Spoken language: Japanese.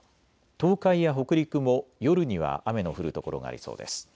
東海や北陸も夜には雨の降る所がありそうです。